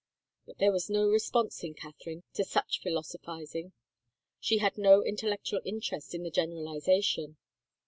But there was no response in Catherine to such philoso phizing; she had no intellectual interest in the generaliza tion.